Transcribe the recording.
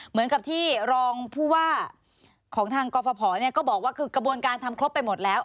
เหมือนกับที่รองผู้ว่าของทางกรฟภก็บอกว่าคือกระบวนการทำครบไปหมดแล้ว